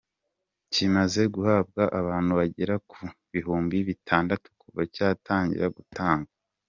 Kimaze guhabwa abantu bagera ku bihumbi bitandatu kuva cyatangira gutangwa.